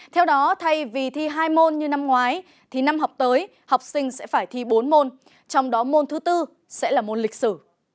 theo đó thay vì thi hai môn như năm ngoái thì năm học tới học sinh sẽ phải thi bốn môn trong đó môn thứ bốn sẽ là môn lịch sử